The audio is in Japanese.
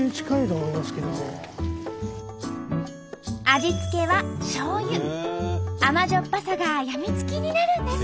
味付けは甘じょっぱさが病みつきになるんです。